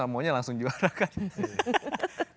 maunya langsung juara kan